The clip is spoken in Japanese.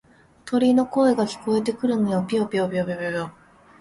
鳥の声が聞こえてくるよ。ぴよぴよ、ぴよぴよ、ぴよぴよよ。